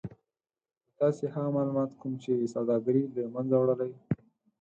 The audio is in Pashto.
نو تاسې هغه مالومات کوم چې سوداګري له منځه وړلای